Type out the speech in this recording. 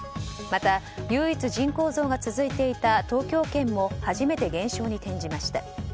また唯一、人口増が続いていた東京圏も初めて減少に転じました。